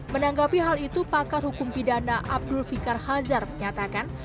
menanggapi hal itu pakar hukum pidana abdul fikar hazar menyatakan